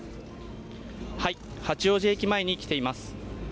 八王子駅前に来ています。